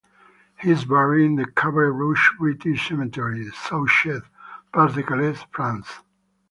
He is buried in the Cabaret-Rouge British Cemetery, Souchez, Pas-de-Calais, France.